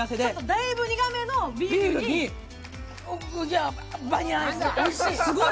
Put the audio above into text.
だいぶ苦めのビールにバニラアイス、すごい。